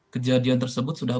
kejadian tersebut sudah